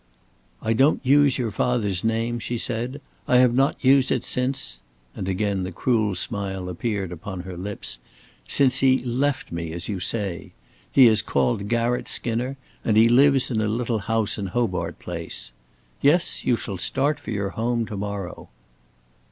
"I don't use your father's name," she said. "I have not used it since" and again the cruel smile appeared upon her lips "since he left me, as you say. He is called Garratt Skinner, and he lives in a little house in Hobart Place. Yes, you shall start for your home to morrow."